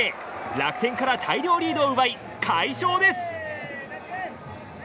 楽天から大量リードを奪い快勝です。